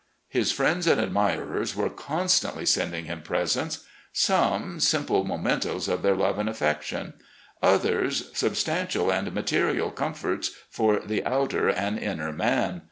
..." His friends and admirers were constantly sending him presents; some, simple mementos of their love and affec 142 RECOLLECTIONS OF GENERAL LEE tion; others, substantial and material comforts for the outer and inner man.